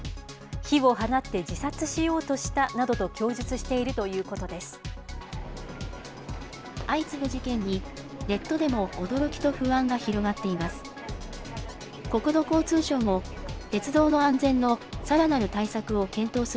火を放って自殺しようとしたなどと供述しているということです。